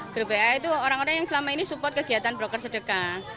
grup wa itu orang orang yang selama ini support kegiatan broker sedekah